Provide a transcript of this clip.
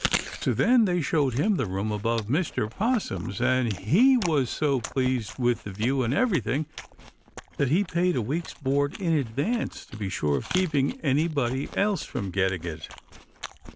So then they showed him the room above Mr. 'Possum's, and he was so pleased with the view and everything that he paid a week's board in advance to be sure of keeping anybody else from getting it.